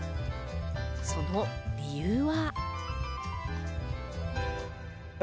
その理由は。